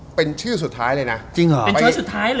เป็นชื่อสุดท้ายเลยนะจริงเหรอไปสุดท้ายเลย